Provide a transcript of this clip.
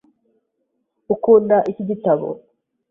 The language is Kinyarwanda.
Ukunda iki gitabo?